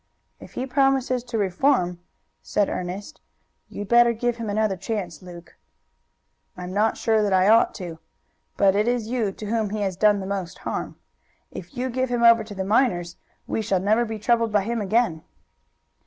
"If he promises to reform," said Ernest, "you'd better give him another chance, Luke." "I am not sure that I ought to, but it is you to whom he has done the most harm. If you give him over to the miners we shall never be troubled by him again."